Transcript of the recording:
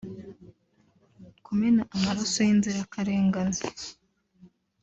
kumena amaraso y’inzira karengane